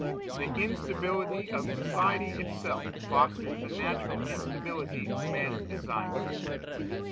The instability of society itself fosters the natural instability of man's desires.